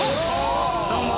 どうも。